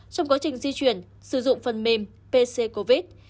trong quá trình di chuyển sử dụng phần mềm pc covid